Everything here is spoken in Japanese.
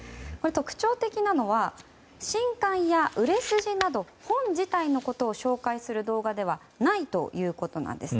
特徴的なのは、新刊や売れ筋など本自体のことを紹介する動画ではないということなんです。